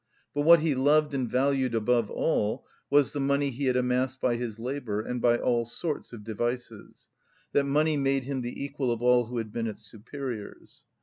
But what he loved and valued above all was the money he had amassed by his labour, and by all sorts of devices: that money made him the equal of all who had been his superiors.